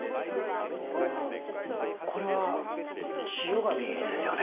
これは千代紙ですよね？